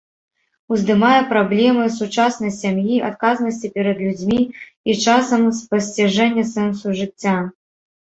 Уздымае праблемы сучаснай сям'і, адказнасці перад людзьмі і часам, спасціжэння сэнсу жыцця.